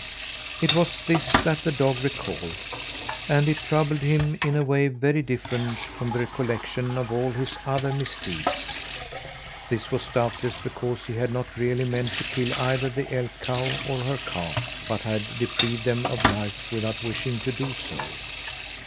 It was this that the dog recalled; and it troubled him in a way very different from the recollection of all his other misdeeds. This was doubtless because he had not really meant to kill either the elk cow or her calf, but had deprived them of life without wishing to do so.